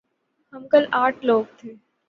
ہم کل آٹھ لوگ تھے ۔